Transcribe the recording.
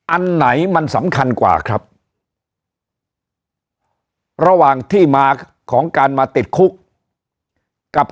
อันไหนมันสำคัญกว่าครับระหว่างที่มาของการมาติดคุกกับ